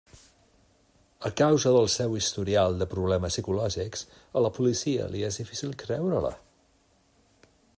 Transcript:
A causa del seu historial de problemes psicològics, a la policia li és difícil creure-la.